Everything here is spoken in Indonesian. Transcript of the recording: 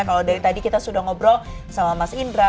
kalau dari tadi kita sudah ngobrol sama mas indra